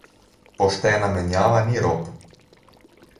Poštena menjava ni rop.